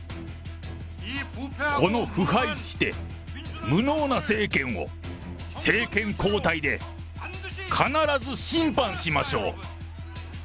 この腐敗して無能な政権を、政権交代で必ず審判しましょう。